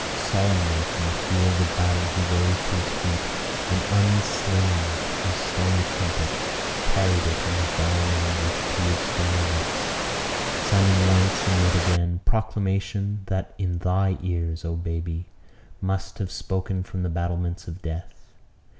Solemnly from the field of battle he rose to his feet; and, unslinging his stony trumpet, carried it, in his dying anguish, to his stony lips sounding once, and yet once again; proclamation that, in thy ears, oh baby! must have spoken from the battlements of death.